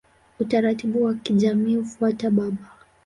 Utaratibu wa kijamii hufuata baba.